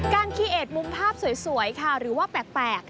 การเครียดมุมภาพสวยค่ะหรือว่าแปลก